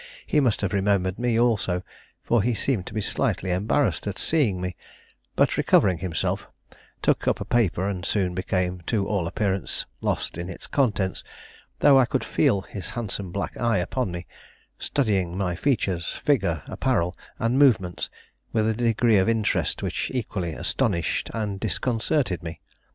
He must have remembered me also, for he seemed to be slightly embarrassed at seeing me; but, recovering himself, took up a paper and soon became to all appearance lost in its contents, though I could feel his handsome black eye upon me, studying my features, figure, apparel, and movements with a degree of interest which equally astonished and disconcerted me.